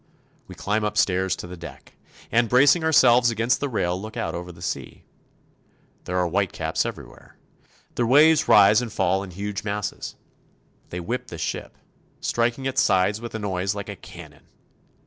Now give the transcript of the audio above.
We climb upstairs to the deck, and bracing ourselves against the rail look out over the sea. There are white caps everywhere. The waves rise and fall in huge masses. They whip the ship, striking its sides with a noise like a cannon.